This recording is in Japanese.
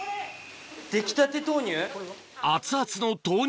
出来たて豆乳？